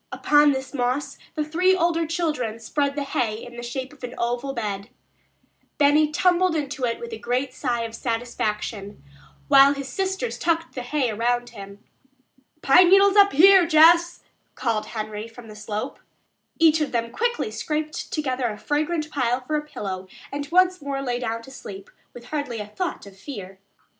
Upon this moss the three older children spread the hay in the shape of an oval bed. Benny tumbled into it with a great sigh of satisfaction, while his sisters tucked the hay around him. "Pine needles up here, Jess," called Henry from the slope. Each of them quickly scraped together a fragrant pile for a pillow and once more lay down to sleep, with hardly a thought of fear.